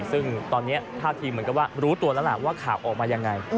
ซึ่งตอนนี้ท่าทีเหมือนกับว่ารู้ตัวแล้วล่ะว่าข่าวออกมายังไง